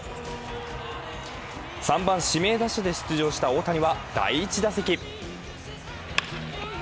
３番・指名打者で出場した大谷は第１打席。